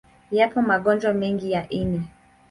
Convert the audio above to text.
Yapo magonjwa mengi ya ini.